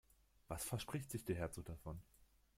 Was verspricht sich der Herzog davon?